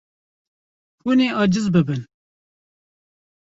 Hûn ê aciz bibin.